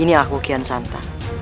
ini aku kian santang